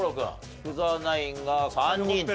福澤ナインが３人と。